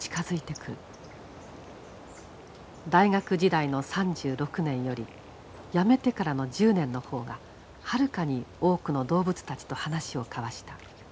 大学時代の３６年より辞めてからの１０年の方がはるかに多くの動物たちと話を交わした。